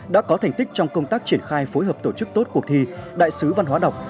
đã có thành tích trong công tác triển khai phối hợp tổ chức tốt cuộc thi đại sứ văn hóa đọc